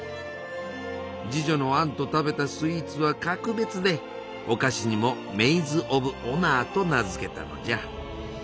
侍女のアンと食べたスイーツは格別でお菓子にも「メイズ・オブ・オナー」と名付けたのじゃ。